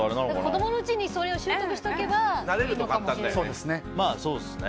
子供のうちに修得しておけばいいのかもしれない。